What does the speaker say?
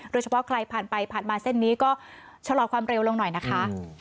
โดยเฉพาะใครผ่านไปผ่านมาเส้นนี้ก็ชะลอความเร็วลงหน่อยนะคะ